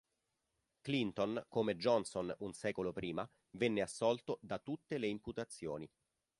Clinton, come Johnson un secolo prima, venne assolto da tutte le imputazioni.